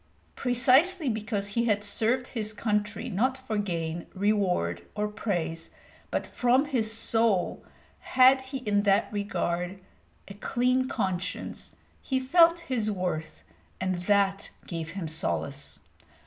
Precisely because he had served his country not for gain, reward, or praise, but from his soul, had he in that regard a clean conscience, he felt his worth, and that gave him solace.